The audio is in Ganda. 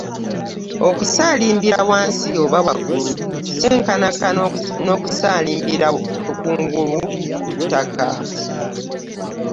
Okusaalimbira wansi oba waggulu kyenkanankana n’okusaalimbira kungulu ku ttaka.